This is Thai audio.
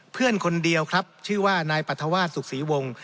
เพื่อนคนเดียวครับชื่อว่านายปรัฐวาสสุขศรีวงศ์